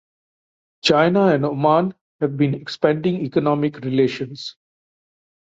China and Oman have been expanding economic relations.